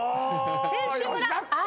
選手村。